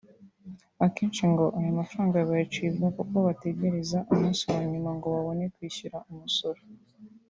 Akenshi ngo ayo mafaranga bayacibwa kuko bategereza umunsi wa nyuma ngo babone kwishyura umusoro